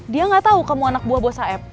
dia gak tahu kamu anak buah bos saeb